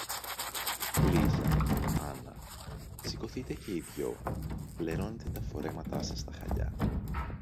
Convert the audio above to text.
Λίζα, Άννα, σηκωθείτε και οι δυό, λερώνετε τα φορέματα σας στα χαλιά.